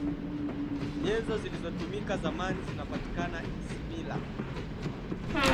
nyenzo zilizotumika zamani zinapatikana isimila